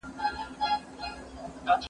عسکر لا هم په سوچ کې ډوب و.